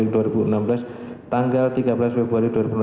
dan di rumah